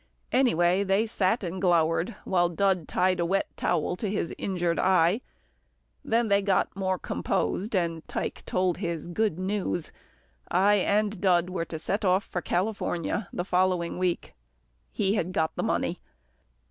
Anyway, they sat and glowered, while Dud tied a wet towel to his injured eye, then they got more composed and Tike told his good news. I and Dud were to set off for California the following week. He had got the money.